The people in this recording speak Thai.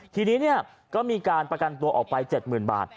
ทีนี้ก็มีการประกันตัวออกไป๗๐๐๐บาท